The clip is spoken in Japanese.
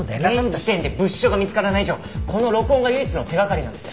現時点で物証が見つからない以上この録音が唯一の手掛かりなんです。